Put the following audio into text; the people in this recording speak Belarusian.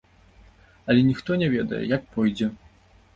Але ніхто не ведае, як пойдзе.